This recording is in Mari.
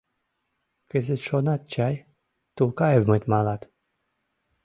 Кызыт шонат чай: Тулкаевмыт малат.